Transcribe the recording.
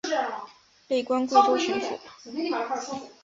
累官贵州巡抚。